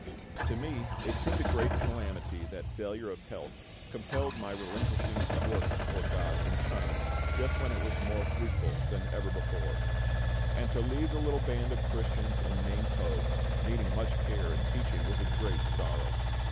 To me it seemed a great calamity that failure of health compelled my relinquishing work for GOD in China, just when it was more fruitful than ever before; and to leave the little band of Christians in Ningpo, needing much care and teaching, was a great sorrow.